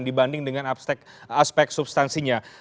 dibanding dengan aspek substansinya